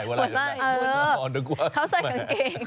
เขาใส่กางเกง